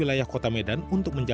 apanya lahan mang mudanya